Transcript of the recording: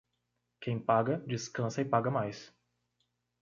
Quem paga, descansa e paga mais.